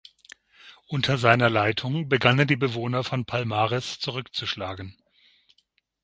Unter seiner Leitung begannen die Bewohner von Palmares zurückzuschlagen.